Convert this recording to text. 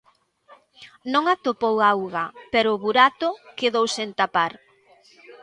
Non atopou auga pero o burato quedou sen tapar.